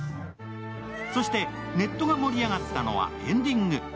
そして、ネットが盛り上がったのはエンディング。